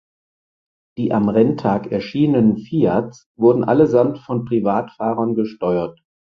Die am Renntag erschienenen Fiats wurden allesamt von Privatfahrern gesteuert.